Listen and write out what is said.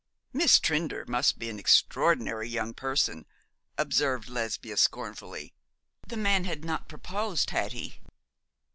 'Miss Trinder must be an extraordinary young person,' observed Lesbia, scornfully. 'The man had not proposed, had he?'